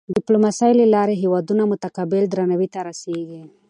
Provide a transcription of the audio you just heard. د ډیپلوماسۍ له لارې هېوادونه متقابل درناوي ته رسيږي.